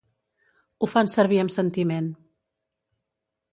Ho fan servir amb sentiment.